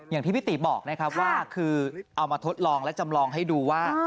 อย่างที่พี่ติบอกนะครับว่าคือเอามาทดลองและจำลองให้ดูว่า